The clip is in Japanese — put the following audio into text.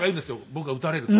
僕が撃たれると。